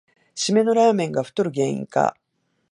しめのラーメンが太る原因か